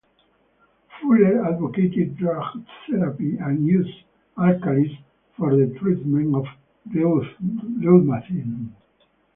Fuller advocated drug therapy and used alkalis for the treatment of rheumatism.